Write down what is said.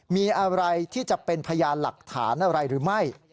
มีอะไรที่จะเป็นพยานหลักฐานอะไรหรือไม่